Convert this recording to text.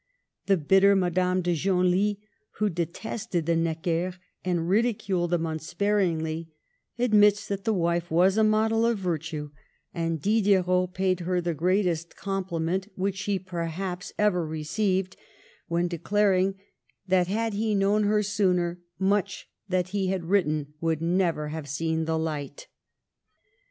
The bit ter Madame de Genlis, who detested the Neck ers, and ridiculed them unsparingly, admits that the wife was a model of virtue ; and Diderot paid her the greatest compliment which she, perhaps, Digitized by VjOOQIC GERMAINE. 1 1 ever received, when declaring that had he known her sooner, much that he had written would never have seen the light.